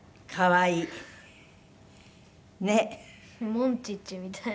モンチッチみたいな。